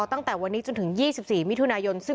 ตั้งแต่วันนี้จนถึง๒๔มิถุนายน